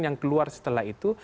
yang keluar setelah itu